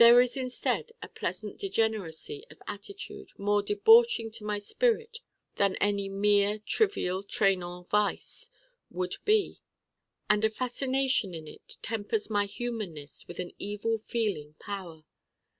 There is instead a pleasant degeneracy of attitude more debauching to my spirit than any mere trivial traînant vice would be. And a fascination in it tempers my humanness with an evil feeling power.